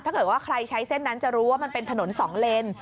ถ้าเกิดว่าใครใช้เส้นนั้นจะรู้ว่ามันเป็นถนน๒เลน